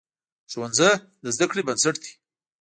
ښوونځی د زده کړې بنسټ دی.